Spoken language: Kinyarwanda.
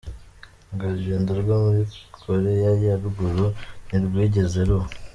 Urwo rugendo - rwo muri Koreya ya ruguru - ntirwigeze ruba.